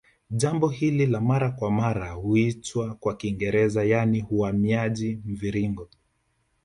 Jambo hili la mara kwa mara huitwa kwa Kiingereza yaani uhamiaji mviringo